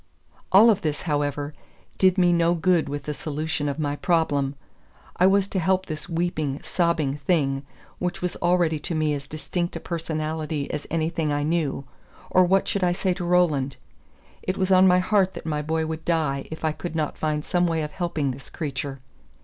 All of this, however, did me no good with the solution of my problem. I was to help this weeping, sobbing thing, which was already to me as distinct a personality as anything I knew; or what should I say to Roland? It was on my heart that my boy would die if I could not find some way of helping this creature.